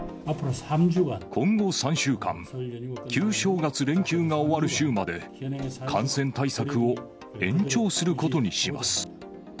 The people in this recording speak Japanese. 今後３週間、旧正月連休が終わる週まで、感染対策を延長することにします。